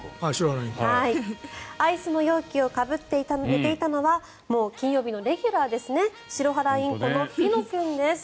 アイスの容器をかぶって寝ていたのはもう金曜日のレギュラーですねシロハラインコのピノ君です。